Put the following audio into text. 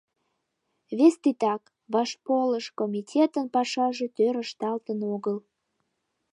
Вес титак — вашполыш комитетын пашаже тӧр ышталтын огыл.